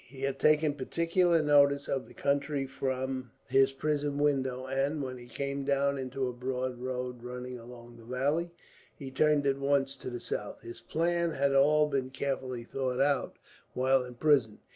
He had taken particular notice of the country from his prison window and, when he came down into a broad road running along the valley, he turned at once to the south. His plans had all been carefully thought out, while in prison.